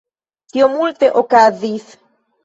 Tio multe okazis